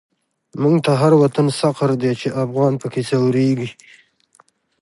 موږ ته هر وطن سقر دی، چی افغان په کی ځوريږی